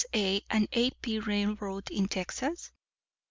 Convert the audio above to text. A. & A.P. Railroad in Texas?